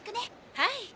はい。